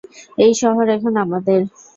এই শহর এখন আমাদের!